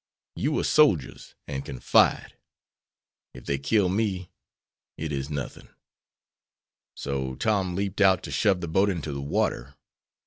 You are soldiers and can fight. If they kill me, it is nuthin'.' So Tom leaped out to shove the boat into the water.